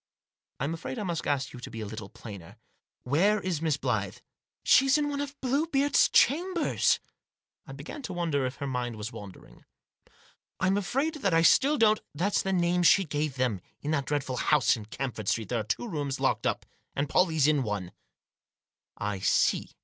" Fm afraid I must ask you to be a little plainer. Where is Miss Blyth?" " She's in one of Bluebeard's Chambers ?" I began to wonder if her mind was wandering. " I'm afraid that I still don't "" That's the name she gave them. In that dreadful house in Camford Street there are two rooms locked up, and Pollie's in one," "I see."